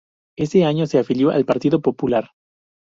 Ese año se afilió al Partido Popular.